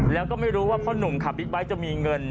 แล้วก็ไม่รู้ว่าพ่อหนุ่มขับบิ๊กไบท์จะมีเงิน